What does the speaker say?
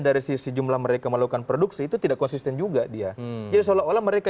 dari sisi jumlah mereka melakukan produksi itu tidak konsisten juga dia jadi seolah olah mereka